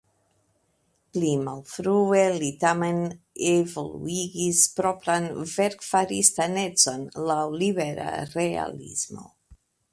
Pli malfrue li tamen evoluigis propran verkfaristan econ laŭ libera realismo.